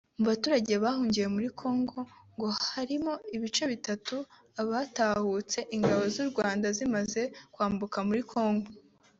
Mu baturage bahungiye muri Congo ngo harimo ibice bitatu; abatahutse Ingabo z’u Rwanda zimaze kwambuka muri Congo